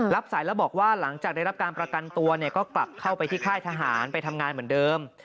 สายแล้วบอกว่าหลังจากได้รับการประกันตัวเนี่ยก็กลับเข้าไปที่ค่ายทหารไปทำงานเหมือนเดิม